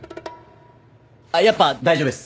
あっやっぱ大丈夫です。